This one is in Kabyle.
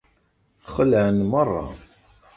Xelɛen merra.